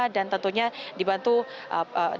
dan tentunya dibantu praktikan